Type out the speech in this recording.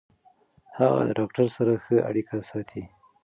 هغه د ډاکټر سره ښه اړیکه ساتي.